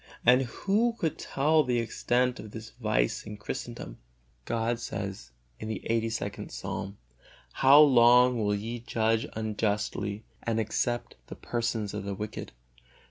And who could tell the extent of this vice in Christendom? God says in the lxxxii. Psalm, "How long will ye judge unjustly, and accept the persons of the wicked?